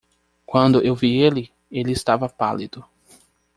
Quando eu vi ele, ele estava pálido.